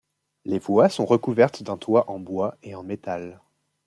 Les voies sont recouvertes d'un toit en bois et en métal.